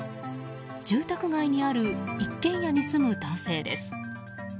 住宅街にある一軒家に住む男性です。